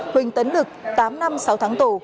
huỳnh tấn lực tám năm sáu tháng tù